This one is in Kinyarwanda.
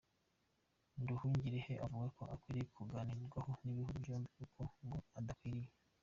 Nduhungirehe avuga ko akwiriye kuganirwaho n’ibihugu byombi kuko ngo adakwiriye.